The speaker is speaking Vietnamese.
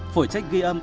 phổ trách ghi âm